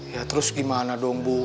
ya terus gimana dong bu